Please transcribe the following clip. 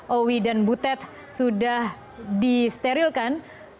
owi dan butet sudah disterilkan